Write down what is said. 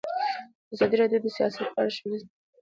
ازادي راډیو د سیاست په اړه ښوونیز پروګرامونه خپاره کړي.